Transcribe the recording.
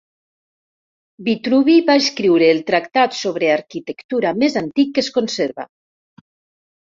Vitruvi va escriure el tractat sobre arquitectura més antic que es conserva.